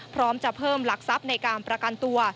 พร้อมจะเพิ่มหลักทรัพย์ในการประกันตัว